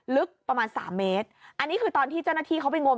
ลึกประมาณสามเมตรอันนี้คือตอนที่เจ้าหน้าที่เขาไปงม